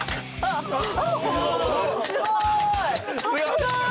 すごい！